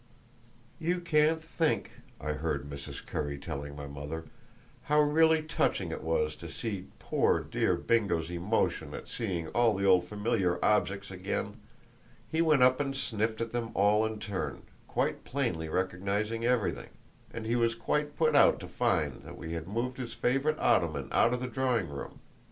"You can't think," I heard Mrs. Currie telling my mother, "how really touching it was to see poor Bingo's emotion at seeing all the old familiar objects again! He went up and sniffed at them all in turn, quite plainly recognising everything. And he was quite put out to find that we had moved his favourite ottoman out of the drawing room.